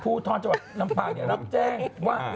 ผู้ท้อนจังหวัดลำปากเนี่ยรับแจ้งว่า